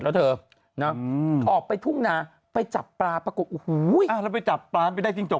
เชิสเบอร์เนอะออกไปทุ่มนาไปจับปลาฝูงไปจากปลาไปได้จริงจบ